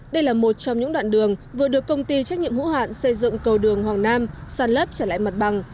đây là một trong những đoạn đường vừa được công ty trách nhiệm hữu hạn xây dựng cầu đường hoàng nam sàn lấp trở lại mặt bằng